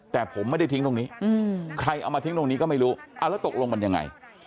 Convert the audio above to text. แต่ผมไม่ได้ทิ้งตรงนี้ใครเอามาทิ้งตรงนี้ก็ไม่รู้แล้วตกลงมันยังไง